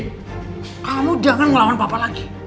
kamu jangan melawan papa lagi